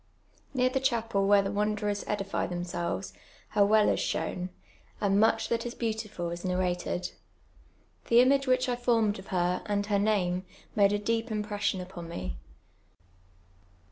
Near tlie chapel where the wanderers edify themselves, her well is shoMii. and mudi that is Ixautiful is nanated. The ima^e w hieh I formt d of her. and her name, made a deej) impression upon mc.